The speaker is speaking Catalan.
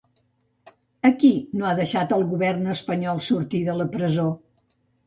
A qui no ha deixat el govern espanyol sortir de la presó?